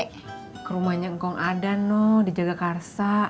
ke rumahnya engkong adan noh dijaga karsa